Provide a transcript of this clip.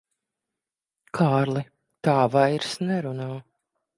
Kārli, tā vairs nerunā.